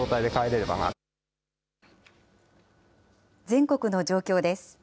全国の状況です。